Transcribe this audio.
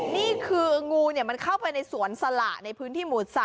นี่คืองูมันเข้าไปในสวนสละในพื้นที่หมู่๓